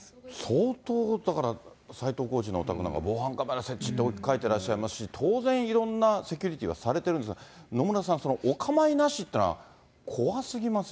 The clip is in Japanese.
相当、だから斎藤コーチのお宅なんかは、防犯カメラ設置しておられますし、当然、いろんなセキュリティーはされているんですが、野村さん、お構いなしというのは怖すぎますよ。